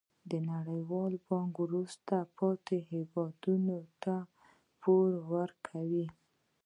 نړیوال بانک وروسته پاتې هیوادونو ته پور ورکوي.